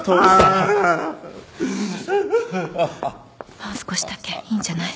もう少しだけいいんじゃない？